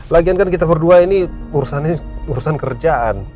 lagian kan kita berdua ini urusannya urusan kerjaan